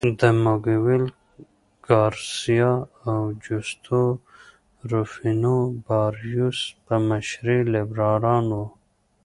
د مګویل ګارسیا او جوستو روفینو باریوس په مشرۍ لیبرالان وو.